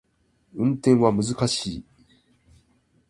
運転は難しい